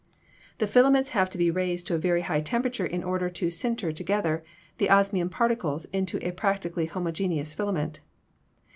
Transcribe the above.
"The filaments have to be raised to a very high tempera ture in order to "sinter" together the osmium particles into a practically homogeneous filament.